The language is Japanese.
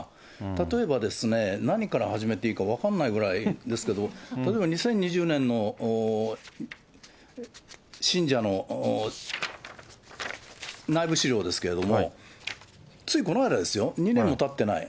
例えばですね、何から始めていいか分からないくらいですけど、例えば２０２０年の信者の内部資料ですけれども、ついこの間ですよ、２年もたってない。